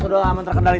sudah aman terkendali